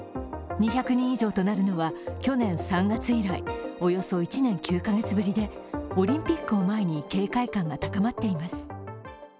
２００人以上となるのは去年３月以来、およそ１年９カ月ぶりで、オリンピックを前に警戒感が高まっています。